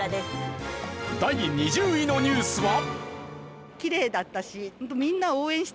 第２０位のニュースは。